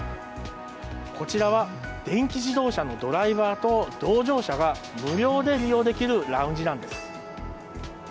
こちらは電気自動車のドライバーと同乗者が無料で利用できるラウンジなんです。